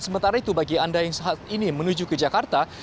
sementara itu bagi anda yang saat ini menuju ke jakarta